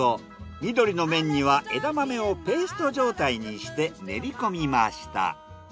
緑の麺には枝豆をペースト状態にして練りこみました。